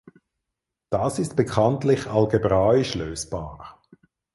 Das ist bekanntlich algebraisch lösbar.